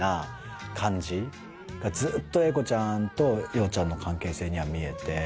ずっと栄子ちゃんと洋ちゃんの関係性には見えて。